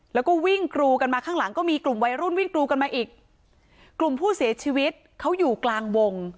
แล้วก็วิ่งกรูกันมาข้างหลังก็มีกลุ่มวัยรุ่นวิ่งกรูกันมาอีกกลุ่มผู้เสียชีวิตเขาอยู่กลางวง